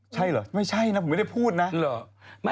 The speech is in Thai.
ใช่เหรอไม่ใช่นะผมไม่ได้พูดนะ